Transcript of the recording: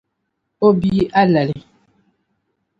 O bia alali.